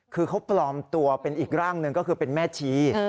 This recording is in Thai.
คือเขาปลอมตัวเป็นอีกร่างหนึ่งก็คือเป็นแม่ชี